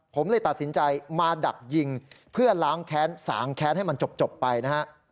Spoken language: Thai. ผมเลยตัดสินใจมาดักยิงเพื่อล้างแค้นสางแค้นให้มันจบไปนะฮะ